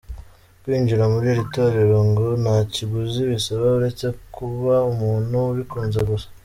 Kwinjira muri iri torero ngo ntakiguzi bisaba uretse kuba umuntu abikunze gusa.